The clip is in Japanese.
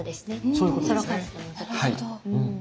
なるほど。